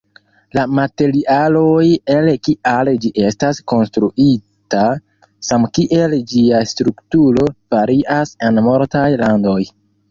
La materialoj el kiaj ĝi estas konstruita samkiel ĝia strukturo, varias en multaj landoj.